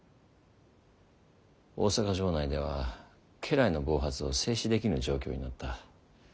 大坂城内では家来の暴発を制止できぬ状況になった。